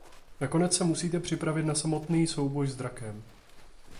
Nakonec se musíte připravit na samotný souboj s drakem.